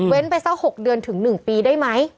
เว้นไปเท่า๖เดือนถึง๑ปีได้ไหม